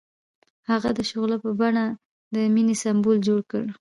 هغه د شعله په بڼه د مینې سمبول جوړ کړ.